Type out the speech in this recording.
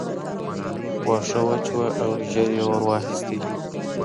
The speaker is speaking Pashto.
واښه وچ وو او ژر یې اور واخیست.